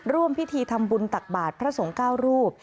ร่วมพิธีทำบุญตักบาทพระสงฆ์๙รูป